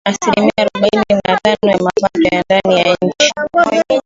Asilimia arobaini na tano ya mapato ya ndani ya nchi